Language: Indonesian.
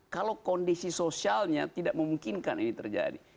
kalau kondisi sosialnya tidak memungkinkan ini terjadi